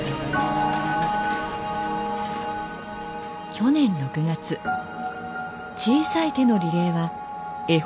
去年６月小さい手のリレーは絵本になりました。